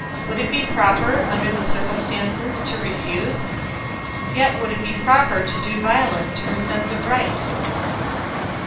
Would it be proper, under the circumstances, to refuse? Yet would it be proper to do violence to her sense of right?